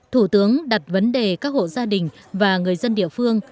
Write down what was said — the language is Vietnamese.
thủ tướng đặt vấn đề các hộ gia đình và người dân địa phương